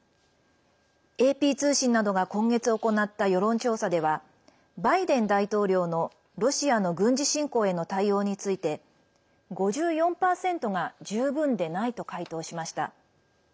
ＡＰ通信などが今月行った世論調査ではバイデン大統領のロシアの軍事侵攻への対応について５４％が十分でないと回答しました。